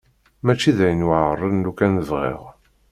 Mačči d ayen yuɛren lukan bɣiɣ.